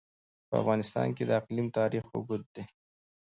په افغانستان کې د اقلیم تاریخ اوږد دی.